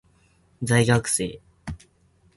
在学生